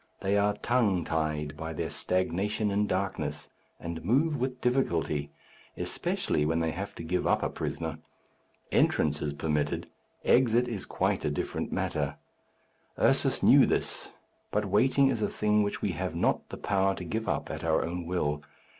They are tongue tied by their stagnation in darkness, and move with difficulty, especially when they have to give up a prisoner. Entrance is permitted. Exit is quite a different matter. Ursus knew this. But waiting is a thing which we have not the power to give up at our own will.